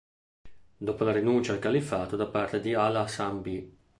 Dopo la rinuncia al califfato da parte di al-Hasan b.